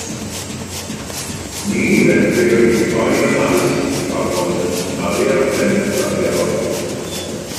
Ni fedrir eu troi ymaith tra bônt yn talu'r rhent arferol.